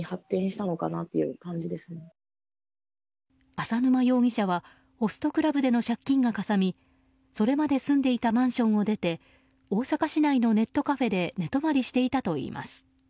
浅沼容疑者はホストクラブでの借金がかさみそれまで住んでいたマンションを出て大阪市内のネットカフェで寝泊まりしていたといいます。